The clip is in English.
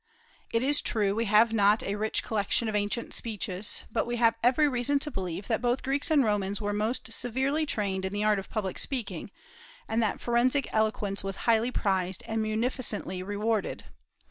It is true, we have not a rich collection of ancient speeches; but we have every reason to believe that both Greeks and Romans were most severely trained in the art of public speaking, and that forensic eloquence was highly prized and munificently rewarded.